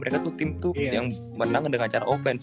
mereka tuh tim tuh yang menang dengan cara offense